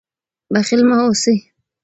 بخیل مه اوسئ.